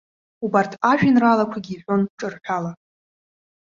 Убарҭ ажәеинраалақәагьы иҳәон ҿырҳәала.